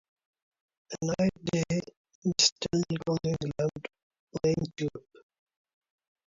At night they distilled alcohol and gambled playing two up.